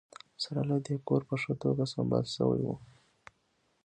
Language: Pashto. سره له دې کور په ښه توګه سمبال شوی و